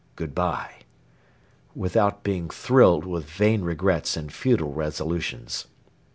Good bye,' without being thrilled with vain regrets and futile resolutions.